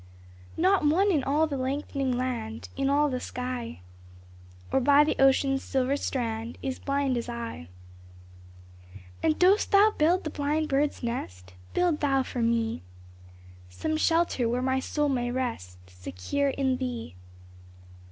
Not one in all the lengthening land, In all the sky, Or by the ocean's silver strand, Is blind as I ! And dost Thou build the blind bird's nest ? Build Thou for me Some shelter where my soul may rest Secure in Thee.